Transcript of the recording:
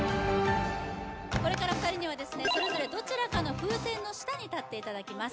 これから２人にはそれぞれどちらかの風船の下に立っていただきます